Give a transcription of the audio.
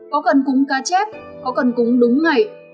có cần cúng cá chép có cần cúng đúng ngày